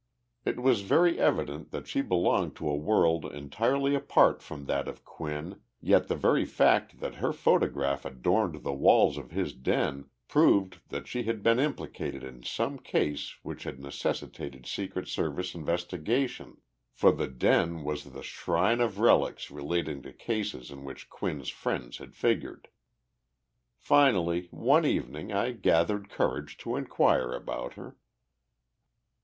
It was very evident that she belonged to a world entirely apart from that of Quinn, yet the very fact that her photograph adorned the walls of his den proved that she had been implicated in some case which had necessitated Secret Service investigation for the den was the shrine of relics relating to cases in which Quinn's friends had figured. Finally, one evening I gathered courage to inquire about her.